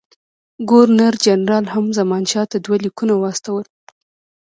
ګورنر جنرال هم زمانشاه ته دوه لیکونه واستول.